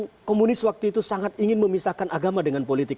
karena komunis waktu itu sangat ingin memisahkan agama dengan politik